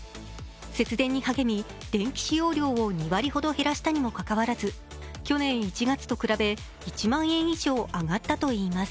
節電に励み、電気使用量を２割ほど減らしたにもかかわらず、去年１月と比べ、１万円以上上がったといいます。